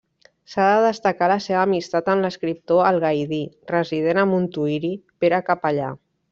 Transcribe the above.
S'ha de destacar la seva amistat amb l'escriptor algaidí, resident a Montuïri, Pere Capellà.